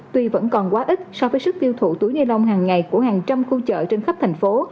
tuy vẫn còn quá ít so với sức tiêu thụ túi ni lông hàng ngày của hàng trăm khu chợ trên khắp thành phố